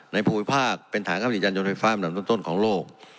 ในภูมิภาคเป็นฐานความติดจันทร์ยนต์ไฟฟ้าแบบนั้นต้นของโลก